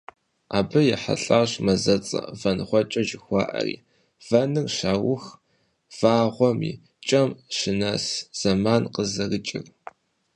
Абы ехьэлӀащ мазэцӀэ - ВэнгъуэкӀэ жыхуаӀэри: вэныр щаух, вэгъуэм и кӀэм щынэс зэман къызэрыкӀыр.